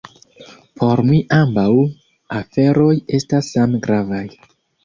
Por mi ambaŭ aferoj estas same gravaj.